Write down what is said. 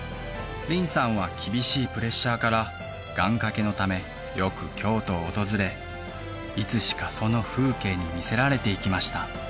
林さんは厳しいプレッシャーから願かけのためよく京都を訪れいつしかその風景に魅せられていきました